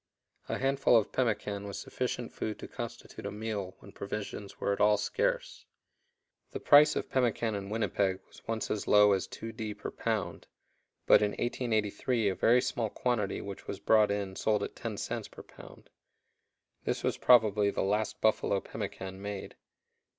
A handful of pemmican was sufficient food to constitute a meal when provisions were at all scarce. The price of pemmican in Winnipeg was once as low as 2d. per pound, but in 1883 a very small quantity which was brought in sold at 10 cents per pound. This was probably the last buffalo pemmican made.